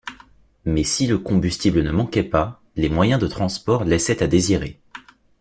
Mais si le combustible ne manquait pas, les moyens de transport laissaient à désirer